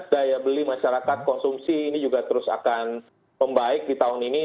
daya beli masyarakat konsumsi ini juga terus akan membaik di tahun ini